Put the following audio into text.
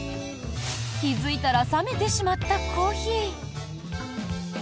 気付いたら冷めてしまったコーヒー。